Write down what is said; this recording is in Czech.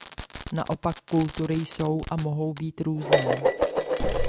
Naopak kultury jsou a mohou být různé.